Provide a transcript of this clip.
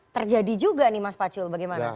terjadi juga nih mas pacul bagaimana